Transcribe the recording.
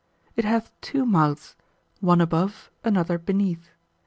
It hath two mouths, one above, another beneath.